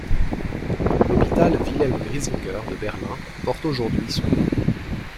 L’hôpital Wilhelm Griesinger de Berlin porte aujourd’hui son nom.